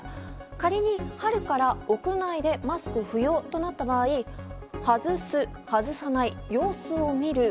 仮に春から屋内でマスク不要となった場合外す、外さない、様子を見る。